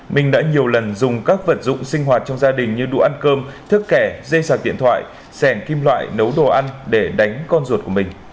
minh đã nhiều lần dùng các vật dụng sinh hoạt trong gia đình như đủ ăn cơm thức kẻ dây sạc điện thoại sẻng kim loại nấu đồ ăn để đánh con ruột của mình